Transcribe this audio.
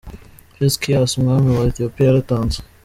Hezqeyas, umwami wa Ethiopia yaratanze.